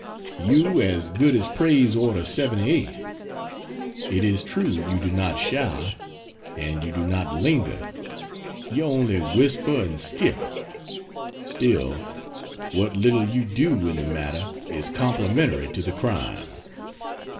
You as good as praise Order 78. It is true you do not shout, and you do not linger, you only whisper and skip still, what little you do in the matter is complimentary to the crime.